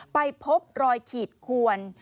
ไปพบรอยขีดขวน